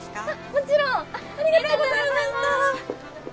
もちろんありがとうございました